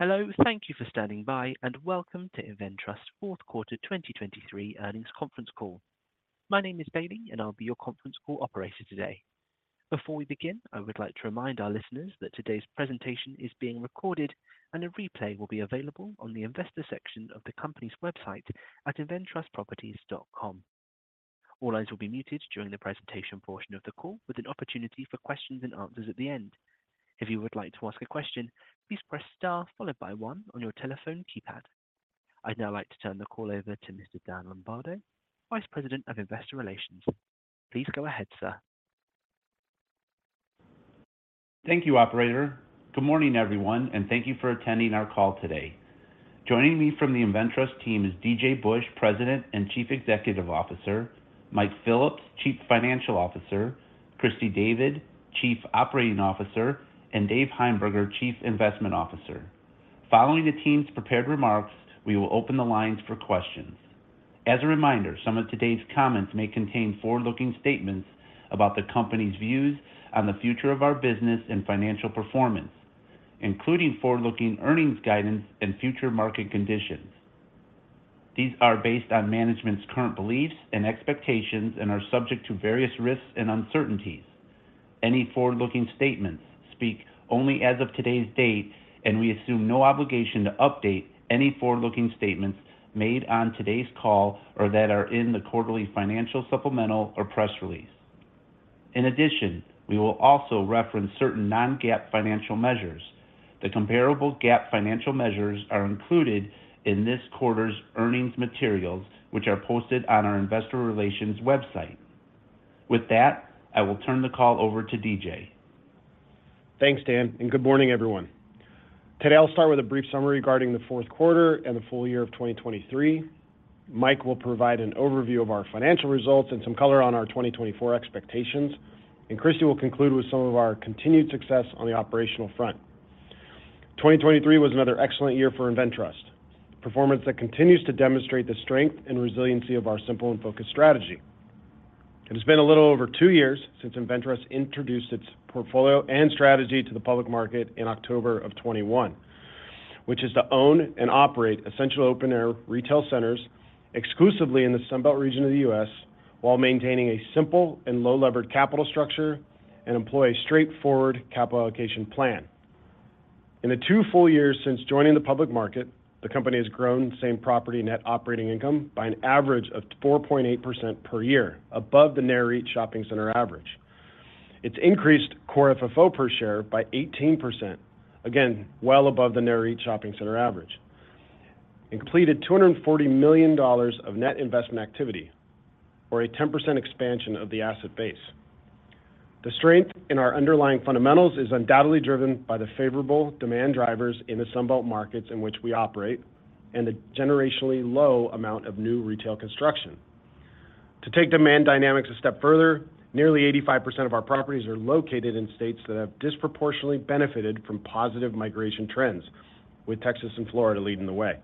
Hello, thank you for standing by, and welcome to InvenTrust's Fourth Quarter 2023 Earnings Conference Call. My name is Bailey, and I'll be your conference call operator today. Before we begin, I would like to remind our listeners that today's presentation is being recorded, and a replay will be available on the investor section of the company's website at inventrustproperties.com. All lines will be muted during the presentation portion of the call, with an opportunity for questions and answers at the end. If you would like to ask a question, please press star, followed by one on your telephone keypad. I'd now like to turn the call over to Mr. Dan Lombardo, Vice President of Investor Relations. Please go ahead, sir. Thank you, operator. Good morning, everyone, and thank you for attending our call today. Joining me from the InvenTrust team is DJ Busch, President and Chief Executive Officer; Mike Phillips, Chief Financial Officer; Christy David, Chief Operating Officer; and Dave Heimberger, Chief Investment Officer. Following the team's prepared remarks, we will open the lines for questions. As a reminder, some of today's comments may contain forward-looking statements about the company's views on the future of our business and financial performance, including forward-looking earnings guidance and future market conditions. These are based on management's current beliefs and expectations and are subject to various risks and uncertainties. Any forward-looking statements speak only as of today's date, and we assume no obligation to update any forward-looking statements made on today's call or that are in the quarterly financial, supplemental, or press release. In addition, we will also reference certain non-GAAP financial measures. The comparable GAAP financial measures are included in this quarter's earnings materials, which are posted on our investor relations website. With that, I will turn the call over to DJ. Thanks, Dan, and good morning, everyone. Today, I'll start with a brief summary regarding the fourth quarter and the full year of 2023. Mike will provide an overview of our financial results and some color on our 2024 expectations, and Christy will conclude with some of our continued success on the operational front. 2023 was another excellent year for InvenTrust, performance that continues to demonstrate the strength and resiliency of our simple and focused strategy. It has been a little over two years since InvenTrust introduced its portfolio and strategy to the public market in October of 2021, which is to own and operate essential open air retail centers exclusively in the Sun Belt region of the U.S., while maintaining a simple and low-levered capital structure and employ a straightforward capital allocation plan. In the two full years since joining the public market, the company has grown same-property net operating income by an average of 4.8% per year, above the Nareit retail shopping center average. It's increased core FFO per share by 18%, again, well above the Nareit retail shopping center average, and completed $240 million of net investment activity, or a 10% expansion of the asset base. The strength in our underlying fundamentals is undoubtedly driven by the favorable demand drivers in the Sun Belt markets in which we operate and the generationally low amount of new retail construction. To take demand dynamics a step further, nearly 85% of our properties are located in states that have disproportionately benefited from positive migration trends, with Texas and Florida leading the way.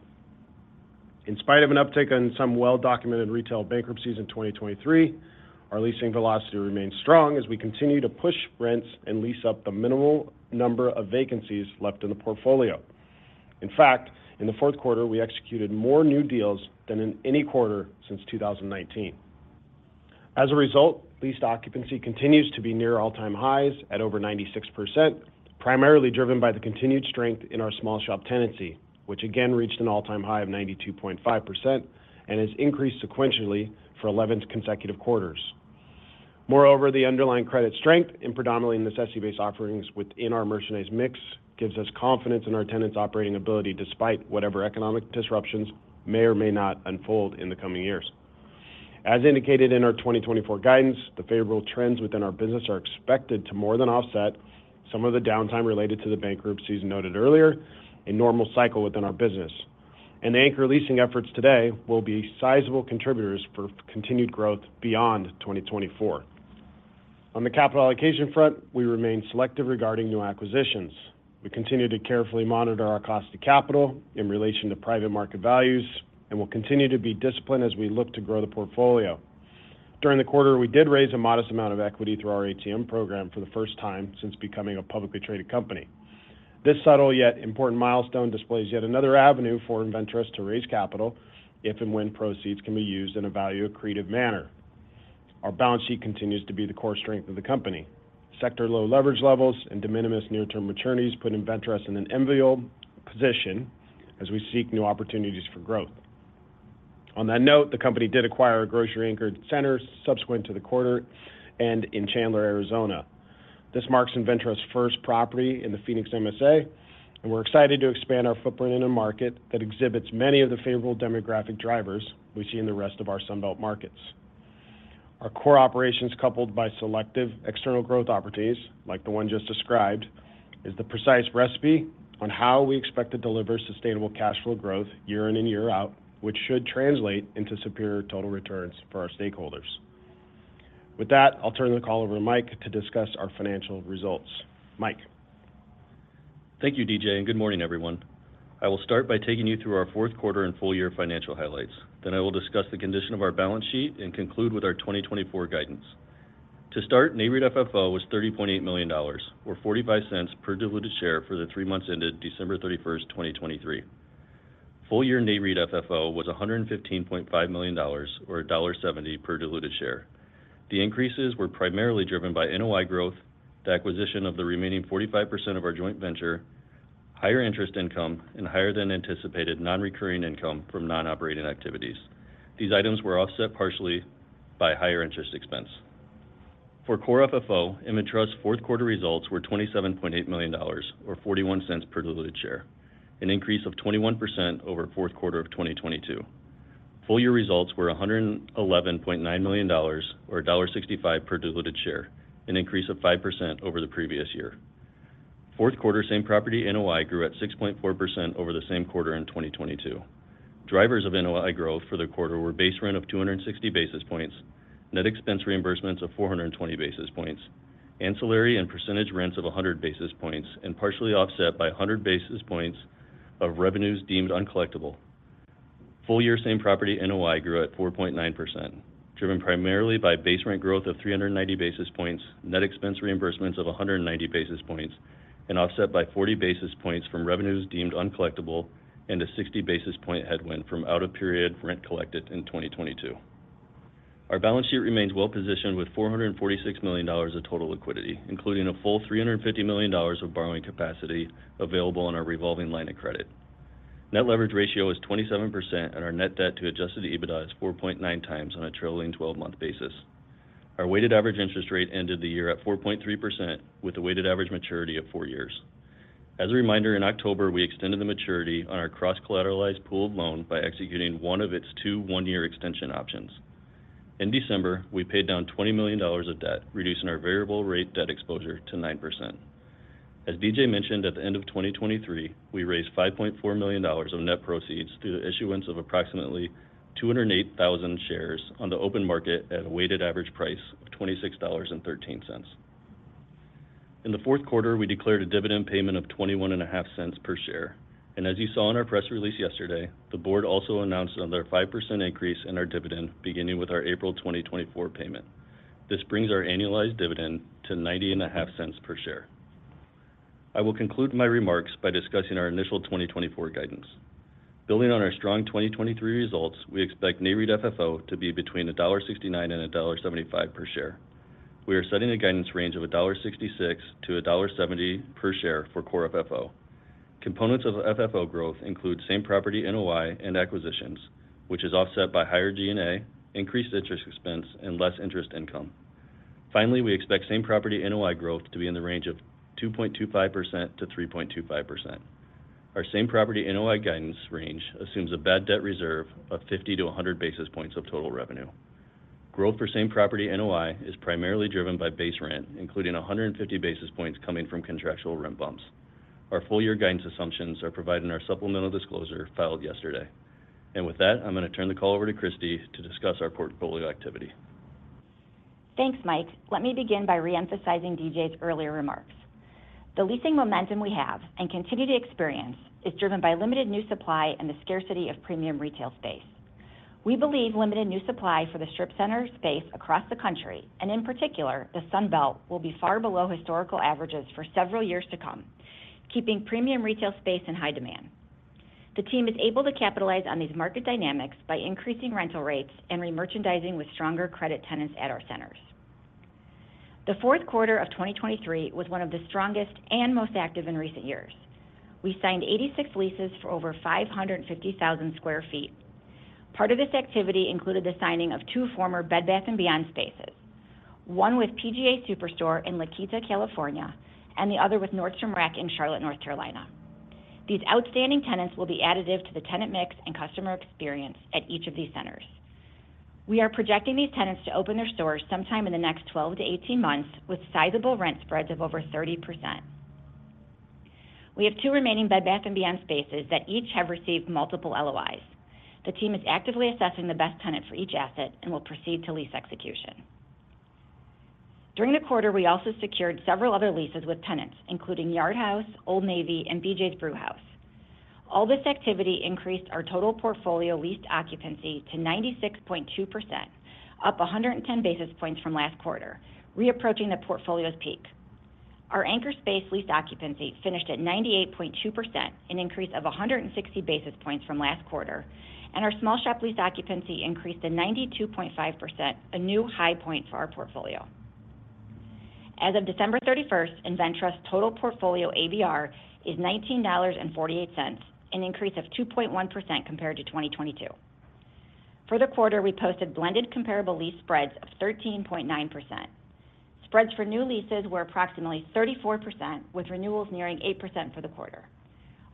In spite of an uptick in some well-documented retail bankruptcies in 2023, our leasing velocity remains strong as we continue to push rents and lease up the minimal number of vacancies left in the portfolio. In fact, in the fourth quarter, we executed more new deals than in any quarter since 2019. As a result, leased occupancy continues to be near all-time highs at over 96%, primarily driven by the continued strength in our small shop tenancy, which again reached an all-time high of 92.5% and has increased sequentially for 11th consecutive quarters. Moreover, the underlying credit strength in predominantly necessity-based offerings within our merchandise mix gives us confidence in our tenants' operating ability, despite whatever economic disruptions may or may not unfold in the coming years. As indicated in our 2024 guidance, the favorable trends within our business are expected to more than offset some of the downtime related to the bankruptcies noted earlier, a normal cycle within our business. The anchor leasing efforts today will be sizable contributors for continued growth beyond 2024. On the capital allocation front, we remain selective regarding new acquisitions. We continue to carefully monitor our cost to capital in relation to private market values and will continue to be disciplined as we look to grow the portfolio. During the quarter, we did raise a modest amount of equity through our ATM program for the first time since becoming a publicly traded company. This subtle yet important milestone displays yet another avenue for InvenTrust to raise capital if and when proceeds can be used in a value-accretive manner. Our balance sheet continues to be the core strength of the company. Sector low leverage levels and de minimis near-term maturities put InvenTrust in an enviable position as we seek new opportunities for growth. On that note, the company did acquire a grocery-anchored center subsequent to the quarter and in Chandler, Arizona. This marks InvenTrust's first property in the Phoenix MSA, and we're excited to expand our footprint in a market that exhibits many of the favorable demographic drivers we see in the rest of our Sun Belt markets. Our core operations, coupled by selective external growth opportunities, like the one just described, is the precise recipe on how we expect to deliver sustainable cash flow growth year in and year out, which should translate into superior total returns for our stakeholders. With that, I'll turn the call over to Mike to discuss our financial results. Mike? Thank you, DJ, and good morning, everyone. I will start by taking you through our fourth quarter and full year financial highlights. Then I will discuss the condition of our balance sheet and conclude with our 2024 guidance. To start, Nareit FFO was $30.8 million, or $0.45 per diluted share for the three months ended December 31, 2023. Full year Nareit FFO was $115.5 million, or $1.70 per diluted share. The increases were primarily driven by NOI growth, the acquisition of the remaining 45% of our joint venture, higher interest income, and higher than anticipated non-recurring income from non-operating activities. These items were offset partially by higher interest expense. For Core FFO, InvenTrust's fourth quarter results were $27.8 million, or $0.41 per diluted share, an increase of 21% over fourth quarter of 2022. Full-year results were $111.9 million, or $1.65 per diluted share, an increase of 5% over the previous year. Fourth quarter same-property NOI grew at 6.4% over the same quarter in 2022. Drivers of NOI growth for the quarter were base rent of 260 basis points, net expense reimbursements of 420 basis points, ancillary and percentage rents of 100 basis points, and partially offset by 100 basis points of revenues deemed uncollectible. Full year same-property NOI grew at 4.9%, driven primarily by base rent growth of 390 basis points, net expense reimbursements of 190 basis points, and offset by 40 basis points from revenues deemed uncollectible, and a 60 basis point headwind from out of period rent collected in 2022. Our balance sheet remains well positioned with $446 million of total liquidity, including a full $350 million of borrowing capacity available on our revolving line of credit. Net leverage ratio is 27%, and our net debt to adjusted EBITDA is 4.9 times on a trailing 12-month basis. Our weighted average interest rate ended the year at 4.3%, with a weighted average maturity of four years. As a reminder, in October, we extended the maturity on our cross-collateralized pooled loan by executing one of its two one-year extension options. In December, we paid down $20 million of debt, reducing our variable rate debt exposure to 9%. As DJ mentioned, at the end of 2023, we raised $5.4 million of net proceeds through the issuance of approximately 208,000 shares on the open market at a weighted average price of $26.13. In the fourth quarter, we declared a dividend payment of $0.215 per share. And as you saw in our press release yesterday, the board also announced another 5% increase in our dividend, beginning with our April 2024 payment. This brings our annualized dividend to $0.905 per share. I will conclude my remarks by discussing our initial 2024 guidance. Building on our strong 2023 results, we expect NAREIT FFO to be between $1.69 and $1.75 per share. We are setting a guidance range of $1.66-$1.70 per share for Core FFO. Components of FFO growth include Same-Property NOI and acquisitions, which is offset by higher G&A, increased interest expense, and less interest income. Finally, we expect Same-Property NOI growth to be in the range of 2.25%-3.25%. Our Same-Property NOI guidance range assumes a bad debt reserve of 50-100 basis points of total revenue. Growth for Same-Property NOI is primarily driven by base rent, including 150 basis points coming from contractual rent bumps. Our full year guidance assumptions are provided in our supplemental disclosure filed yesterday. And with that, I'm going to turn the call over to Christy to discuss our portfolio activity. Thanks, Mike. Let me begin by re-emphasizing DJ's earlier remarks. The leasing momentum we have and continue to experience is driven by limited new supply and the scarcity of premium retail space. We believe limited new supply for the strip center space across the country, and in particular, the Sun Belt, will be far below historical averages for several years to come, keeping premium retail space in high demand. The team is able to capitalize on these market dynamics by increasing rental rates and remerchandising with stronger credit tenants at our centers. The fourth quarter of 2023 was one of the strongest and most active in recent years. We signed 86 leases for over 550,000 sq ft. Part of this activity included the signing of two former Bed Bath & Beyond spaces, one with PGA TOUR Superstore in La Quinta, California, and the other with Nordstrom Rack in Charlotte, North Carolina. These outstanding tenants will be additive to the tenant mix and customer experience at each of these centers. We are projecting these tenants to open their stores sometime in the next 12-18 months, with sizable rent spreads of over 30%. We have two remaining Bed Bath & Beyond spaces that each have received multiple LOIs. The team is actively assessing the best tenant for each asset and will proceed to lease execution. During the quarter, we also secured several other leases with tenants, including Yard House, Old Navy, and BJ's Brewhouse. All this activity increased our total portfolio leased occupancy to 96.2%, up 110 basis points from last quarter, reapproaching the portfolio's peak. Our anchor space leased occupancy finished at 98.2%, an increase of 160 basis points from last quarter, and our small shop leased occupancy increased to 92.5%, a new high point for our portfolio. As of December 31st, InvenTrust's total portfolio ABR is $19.48, an increase of 2.1% compared to 2022. For the quarter, we posted blended comparable lease spreads of 13.9%. Spreads for new leases were approximately 34%, with renewals nearing 8% for the quarter.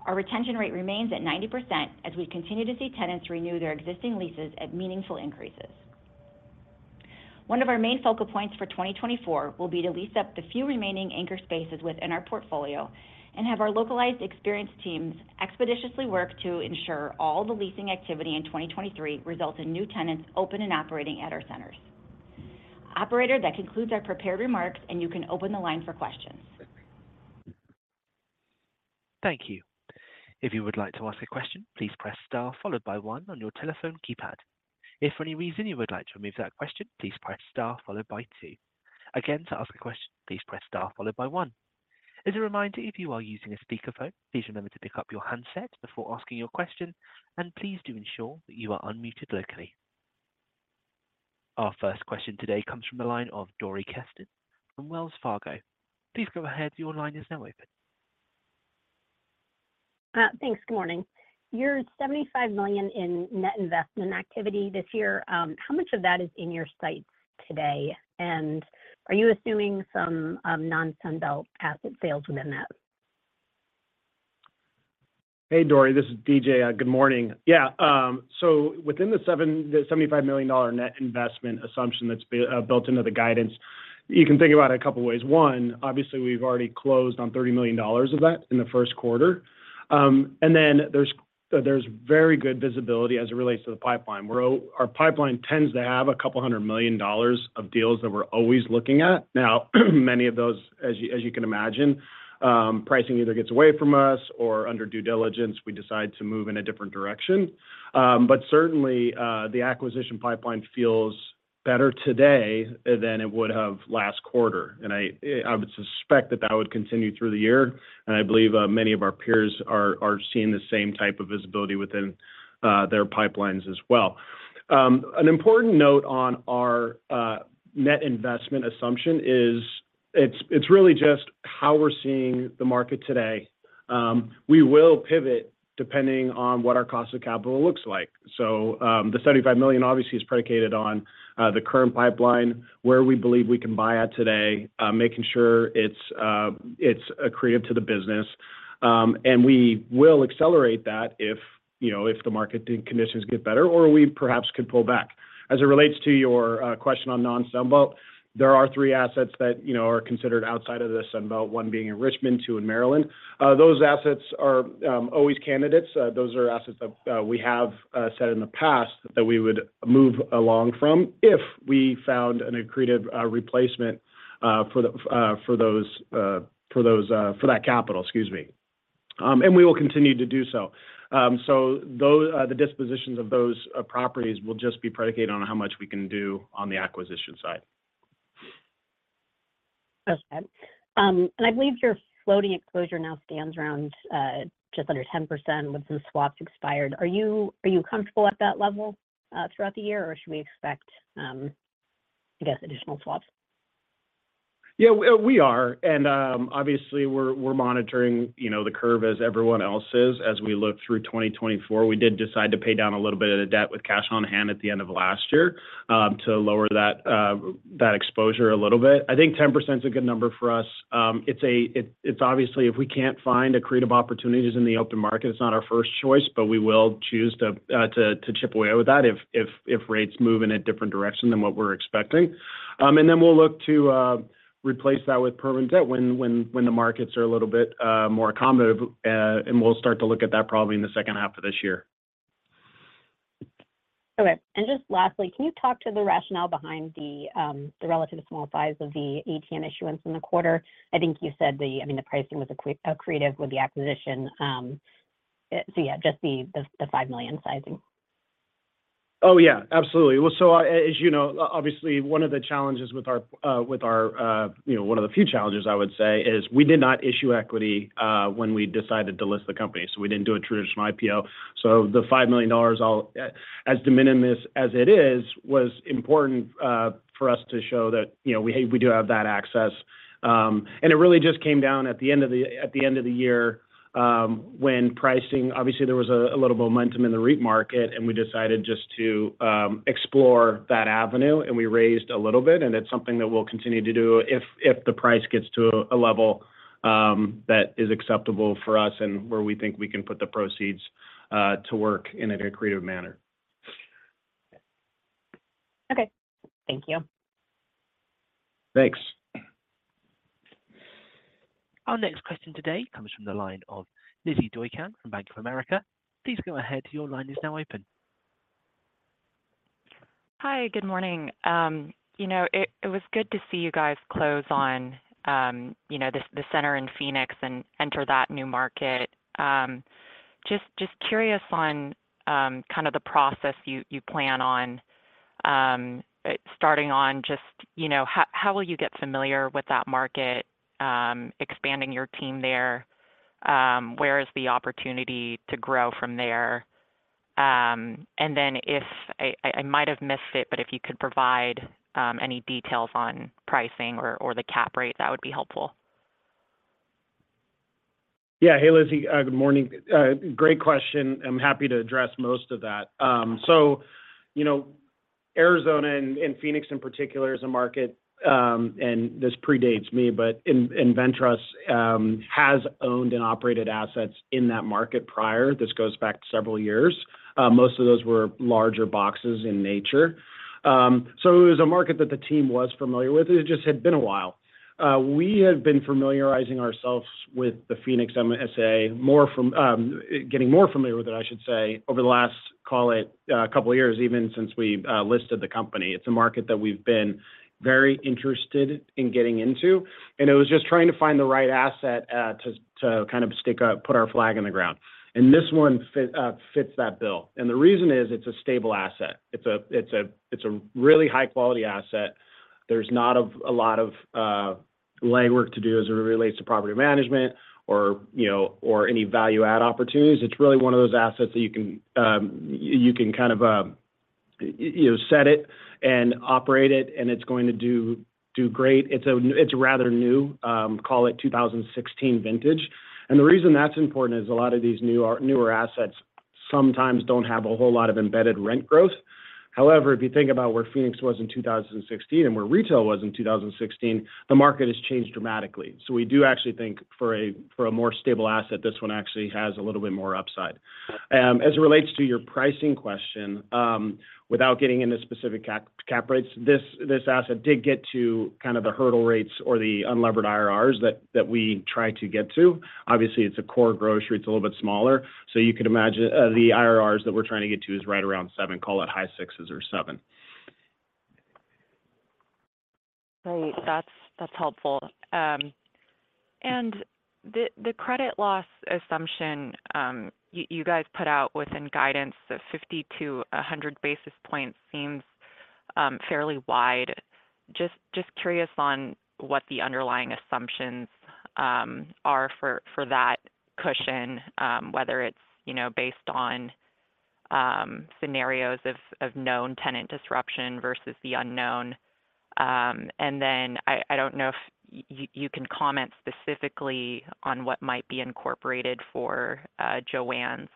Our retention rate remains at 90%, as we continue to see tenants renew their existing leases at meaningful increases. One of our main focal points for 2024 will be to lease up the few remaining anchor spaces within our portfolio and have our localized experienced teams expeditiously work to ensure all the leasing activity in 2023 results in new tenants open and operating at our centers. Operator, that concludes our prepared remarks, and you can open the line for questions. Thank you. If you would like to ask a question, please press star followed by one on your telephone keypad. If for any reason you would like to remove that question, please press star followed by two. Again, to ask a question, please press star followed by one. As a reminder, if you are using a speakerphone, please remember to pick up your handset before asking your question, and please do ensure that you are unmuted locally. Our first question today comes from the line of Dori Kesten from Wells Fargo. Please go ahead. Your line is now open. Thanks. Good morning. Your $75 million in net investment activity this year, how much of that is in your sights today? And are you assuming some non-Sun Belt asset sales within that? Hey, Dori, this is DJ. Good morning. Yeah, so within the 75 million dollar net investment assumption that's built into the guidance, you can think about it a couple of ways. One, obviously, we've already closed on $30 million of that in the first quarter. And then there's very good visibility as it relates to the pipeline, where our pipeline tends to have 200 million dollars of deals that we're always looking at. Now, many of those, as you can imagine, pricing either gets away from us or under due diligence, we decide to move in a different direction. But certainly, the acquisition pipeline feels better today than it would have last quarter, and I would suspect that that would continue through the year. I believe many of our peers are seeing the same type of visibility within their pipelines as well. An important note on our net investment assumption is it's really just how we're seeing the market today. We will pivot depending on what our cost of capital looks like. The $75 million obviously is predicated on the current pipeline, where we believe we can buy at today, making sure it's accretive to the business. And we will accelerate that if, you know, if the market conditions get better, or we perhaps could pull back. As it relates to your question on non-Sun Belt, there are three assets that, you know, are considered outside of the Sun Belt, one being in Richmond, two in Maryland. Those assets are always candidates. Those are assets that we have said in the past that we would move along from if we found an accretive replacement for that capital, excuse me. We will continue to do so. The dispositions of those properties will just be predicated on how much we can do on the acquisition side. Okay. And I believe your floating exposure now stands around just under 10% with some swaps expired. Are you comfortable at that level throughout the year, or should we expect, I guess, additional swaps? Yeah, we are. And obviously, we're monitoring, you know, the curve as everyone else's as we look through 2024. We did decide to pay down a little bit of the debt with cash on hand at the end of last year, to lower that exposure a little bit. I think 10% is a good number for us. It's obviously, if we can't find accretive opportunities in the open market, it's not our first choice, but we will choose to chip away at with that if rates move in a different direction than what we're expecting. And then we'll look to replace that with permanent debt when the markets are a little bit more accommodative, and we'll start to look at that probably in the second half of this year. Okay. Just lastly, can you talk to the rationale behind the relatively small size of the ATM issuance in the quarter? I think you said the, I mean, the pricing was accretive with the acquisition. So yeah, just the $5 million sizing. Oh, yeah, absolutely. Well, so, as you know, obviously, one of the challenges with our, with our, you know, one of the few challenges I would say, is we did not issue equity, when we decided to list the company, so we didn't do a traditional IPO. So the $5 million, all, as de minimis as it is, was important, for us to show that, you know, we, we do have that access. And it really just came down at the end of the year, when pricing, obviously, there was a little momentum in the REIT market, and we decided just to explore that avenue, and we raised a little bit, and it's something that we'll continue to do if the price gets to a level that is acceptable for us and where we think we can put the proceeds to work in an accretive manner. Okay. Thank you. Thanks. Our next question today comes from the line of Lizzy Doykan from Bank of America. Please go ahead. Your line is now open. Hi, good morning. You know, it was good to see you guys close on, you know, the center in Phoenix and enter that new market. Just curious on kind of the process you plan on starting on just, you know, how will you get familiar with that market, expanding your team there? Where is the opportunity to grow from there? And then if I might have missed it, but if you could provide any details on pricing or the cap rate, that would be helpful. Yeah. Hey, Lizzy, good morning. Great question. I'm happy to address most of that. So you know, Arizona and, and Phoenix in particular, is a market, and this predates me, but InvenTrust has owned and operated assets in that market prior. This goes back several years. Most of those were larger boxes in nature. So it was a market that the team was familiar with. It just had been a while. We have been familiarizing ourselves with the Phoenix MSA, more from getting more familiar with it, I should say, over the last, call it, a couple of years, even since we listed the company. It's a market that we've been very interested in getting into, and it was just trying to find the right asset to kind of put our flag in the ground. This one fits that bill. The reason is, it's a stable asset. It's a really high-quality asset. There's not a lot of legwork to do as it relates to property management or, you know, or any value add opportunities. It's really one of those assets that you can kind of set it and operate it, and it's going to do great. It's rather new, call it 2016 vintage. The reason that's important is a lot of these new, newer assets sometimes don't have a whole lot of embedded rent growth. However, if you think about where Phoenix was in 2016 and where retail was in 2016, the market has changed dramatically. So we do actually think for a more stable asset, this one actually has a little bit more upside. As it relates to your pricing question, without getting into specific cap rates, this asset did get to kind of the hurdle rates or the unlevered IRRs that we try to get to. Obviously, it's a core grocery, it's a little bit smaller. So you could imagine the IRRs that we're trying to get to is right around seven, call it high sixes or seven. Great. That's, that's helpful. And the, the credit loss assumption, you, you guys put out within guidance of 50-100 basis points seems fairly wide. Just, just curious on what the underlying assumptions are for, for that cushion, whether it's, you know, based on scenarios of, of known tenant disruption versus the unknown. And then, I, I don't know if you, you can comment specifically on what might be incorporated for JOANNs.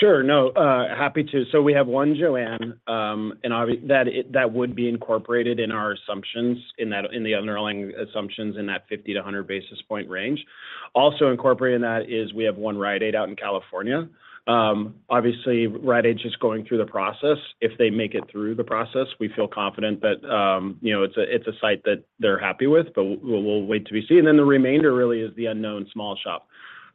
Sure. No, happy to. So we have one JOANN, and obviously, that would be incorporated in our assumptions, in that, in the underlying assumptions in that 50-100 basis point range. Also incorporated in that is we have one Rite Aid out in California. Obviously, Rite Aid is just going through the process. If they make it through the process, we feel confident that, you know, it's a site that they're happy with, but we'll wait to be seen. Then the remainder really is the unknown small shop.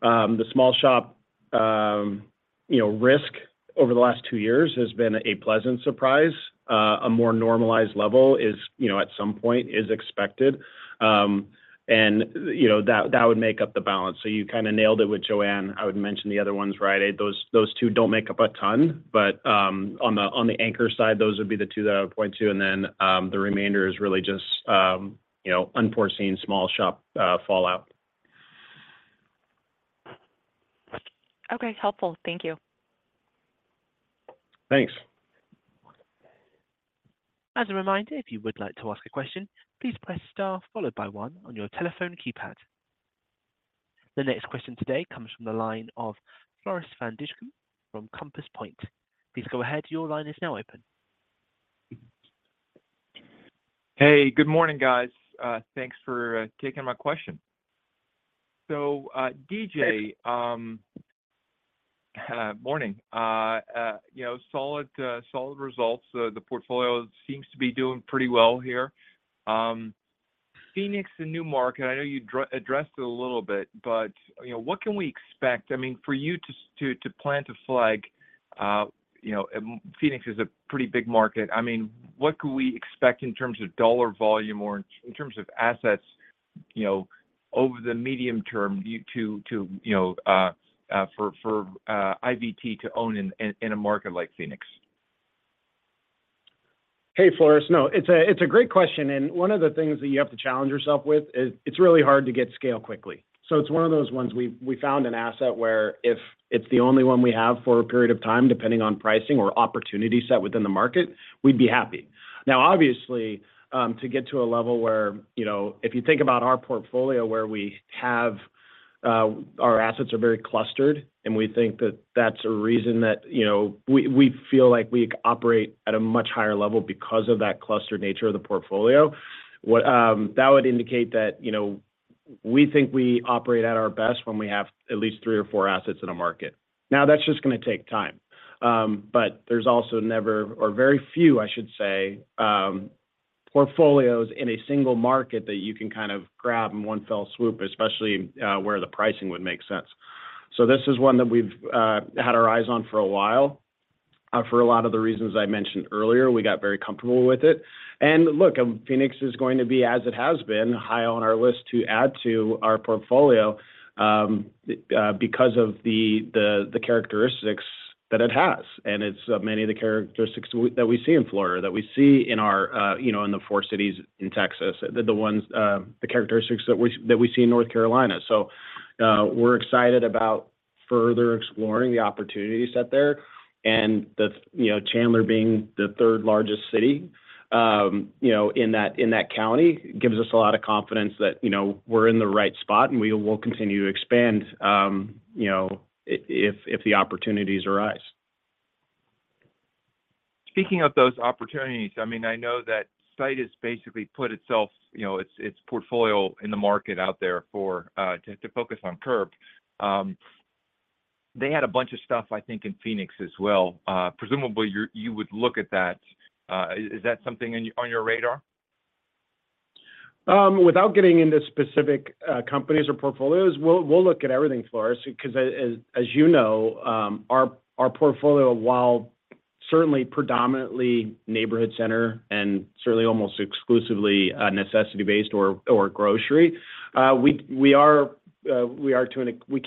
The small shop, you know, risk over the last two years has been a pleasant surprise. A more normalized level is, you know, at some point is expected. And, you know, that would make up the balance. So you kind of nailed it with JOANN. I would mention the other ones, Rite Aid. Those, those two don't make up a ton, but, on the, on the anchor side, those would be the two that I would point to, and then, the remainder is really just, you know, unforeseen small shop fallout. Okay, helpful. Thank you. Thanks. As a reminder, if you would like to ask a question, please press star followed by one on your telephone keypad. The next question today comes from the line of Floris van Dijkum from Compass Point. Please go ahead. Your line is now open. Hey, good morning, guys. Thanks for taking my question. So, DJ, morning. You know, solid results. The portfolio seems to be doing pretty well here. Phoenix and new market, and I know you addressed it a little bit, but, you know, what can we expect? I mean, for you to plant a flag, you know, Phoenix is a pretty big market. I mean, what could we expect in terms of dollar volume or in terms of assets, you know, over the medium term due to, you know, for IVT to own in a market like Phoenix? Hey, Floris. No, it's a great question, and one of the things that you have to challenge yourself with is it's really hard to get scale quickly. So it's one of those ones we've found an asset where if it's the only one we have for a period of time, depending on pricing or opportunity set within the market, we'd be happy. Now, obviously, to get to a level where, you know, if you think about our portfolio, where we have, our assets are very clustered, and we think that that's a reason that, you know, we feel like we operate at a much higher level because of that clustered nature of the portfolio. That would indicate that, you know, we think we operate at our best when we have at least three or four assets in a market. Now, that's just gonna take time. But there's also never, or very few, I should say, portfolios in a single market that you can kind of grab in one fell swoop, especially, where the pricing would make sense. So this is one that we've had our eyes on for a while, for a lot of the reasons I mentioned earlier; we got very comfortable with it. And look, Phoenix is going to be, as it has been, high on our list to add to our portfolio, because of the characteristics that it has, and it's many of the characteristics that we see in Florida, that we see in our, you know, in the four cities in Texas, the characteristics that we see in North Carolina. So, we're excited about further exploring the opportunity set there. And the, you know, Chandler being the third largest city, you know, in that, in that county, gives us a lot of confidence that, you know, we're in the right spot, and we will continue to expand, you know, if the opportunities arise. Speaking of those opportunities, I mean, I know that SITE Centers has basically put itself, you know, its portfolio in the market out there for to focus on core. They had a bunch of stuff, I think, in Phoenix as well. Presumably, you would look at that. Is that something on your radar? Without getting into specific companies or portfolios, we'll look at everything, Floris, because as you know, our portfolio, while certainly predominantly neighborhood center and certainly almost exclusively necessity-based or grocery, we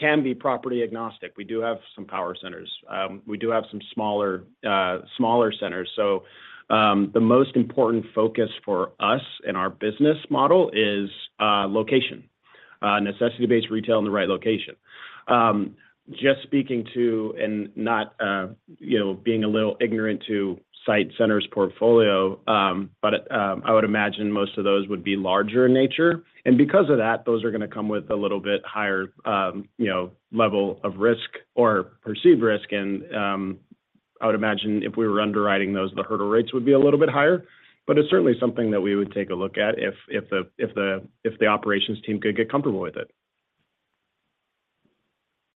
can be property agnostic. We do have some power centers. We do have some smaller centers. So, the most important focus for us and our business model is location, necessity-based retail in the right location. Just speaking to, and not, you know, being a little ignorant to SITE Centers' portfolio, but I would imagine most of those would be larger in nature. And because of that, those are gonna come with a little bit higher, you know, level of risk or perceived risk. I would imagine if we were underwriting those, the hurdle rates would be a little bit higher. But it's certainly something that we would take a look at if the operations team could get comfortable with it.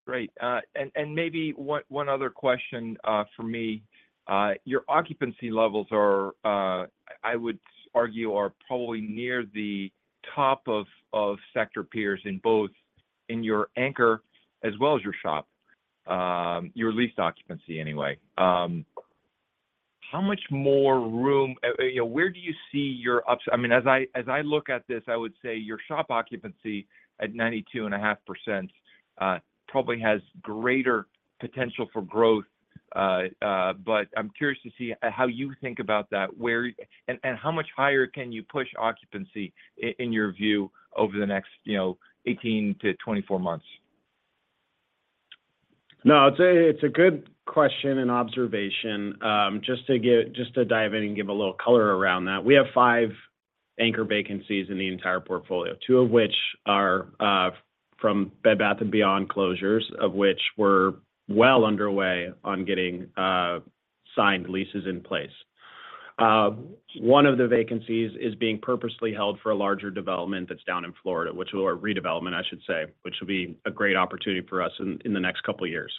Great. Maybe one other question for me. Your occupancy levels are, I would argue, probably near the top of sector peers in both your anchor as well as your shop, your leased occupancy anyway. How much more room—you know, where do you see your upside—I mean, as I look at this, I would say your shop occupancy at 92.5% probably has greater potential for growth. But I'm curious to see how you think about that. Where... And how much higher can you push occupancy in your view over the next, you know, 18-24 months? No, I'd say it's a good question and observation. Just to dive in and give a little color around that, we have five anchor vacancies in the entire portfolio, two of which are from Bed Bath & Beyond closures, of which we're well underway on getting signed leases in place. One of the vacancies is being purposely held for a larger development that's down in Florida, or redevelopment, I should say, which will be a great opportunity for us in the next couple of years.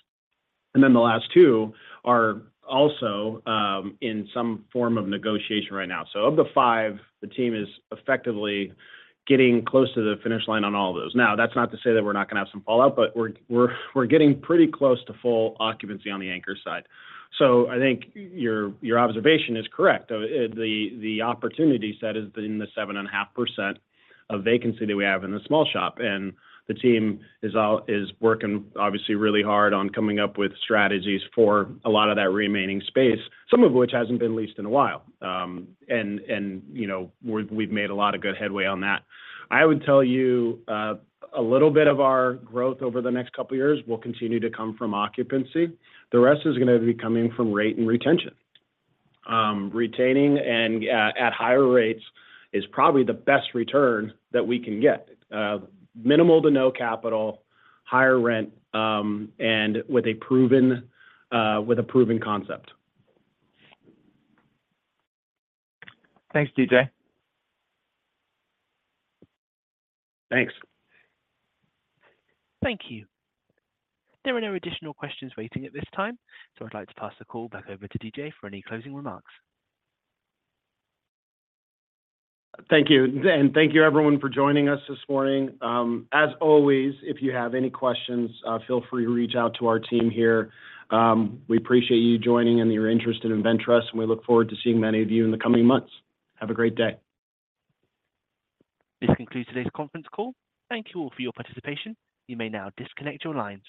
And then the last two are also in some form of negotiation right now. So of the five, the team is effectively getting close to the finish line on all of those. Now, that's not to say that we're not gonna have some fallout, but we're getting pretty close to full occupancy on the anchor side. So I think your observation is correct. The opportunity set is in the 7.5% of vacancy that we have in the small shop, and the team is working, obviously, really hard on coming up with strategies for a lot of that remaining space, some of which hasn't been leased in a while. And, you know, we've made a lot of good headway on that. I would tell you, a little bit of our growth over the next couple of years will continue to come from occupancy. The rest is gonna be coming from rate and retention. Retaining and at higher rates is probably the best return that we can get. Minimal to no capital, higher rent, and with a proven concept. Thanks, DJ. Thanks. Thank you. There are no additional questions waiting at this time, so I'd like to pass the call back over to DJ for any closing remarks. Thank you. Thank you, everyone, for joining us this morning. As always, if you have any questions, feel free to reach out to our team here. We appreciate you joining and your interest in InvenTrust, and we look forward to seeing many of you in the coming months. Have a great day. This concludes today's conference call. Thank you all for your participation. You may now disconnect your lines.